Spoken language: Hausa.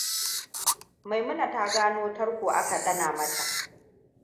Maimuna ta gano tarko aka ɗana mata.